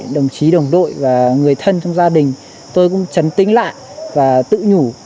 đồng chí đồng đội và người thân trong gia đình tôi cũng trấn tính lại và tự nhủ